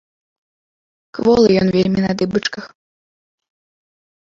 Кволы ён вельмі на дыбачках.